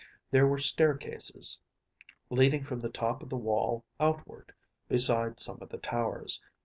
There were staircases, leading from the top of the wall outward, beside some of the towers.